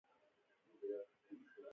ستورو کالي د اوبو واغوستله